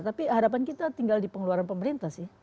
tapi harapan kita tinggal di pengeluaran pemerintah sih